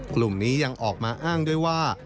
กลุ่มนี้ยังออกมาอ้างด้วยว่า